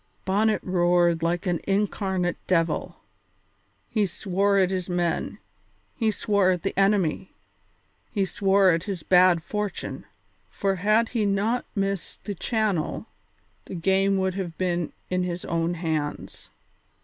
Bonnet roared like an incarnate devil; he swore at his men, he swore at the enemy, he swore at his bad fortune, for had he not missed the channel the game would have been in his own hands.